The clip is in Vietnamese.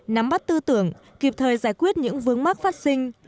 nắm bắt tư tưởng kịp thời giải quyết những vướng mắc phát sinh